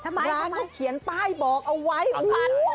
ร้านเขาเขียนป้ายบอกเอาไว้คุณ